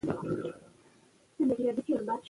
انګریز د کیمیا په اړه معلومات ورکوي.